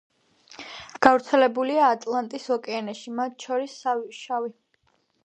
გავრცელებულია ატლანტის ოკეანეში, მათ შორის შავი ზღვის საქართველოს სანაპიროებთან.